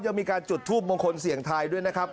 ยังมีการจุดทูปมงคลเสียงทายด้วยนะครับ